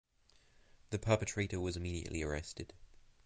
The perpetrator was immediately arrested.